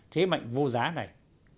thế mạnh vô giá này